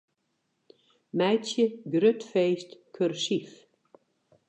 Meitsje 'grut feest' kursyf.